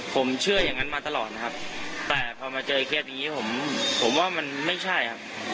ผมเชื่ออย่างนั้นมาตลอดนะครับแต่พอมาเจอเคสนี้ผมผมว่ามันไม่ใช่ครับ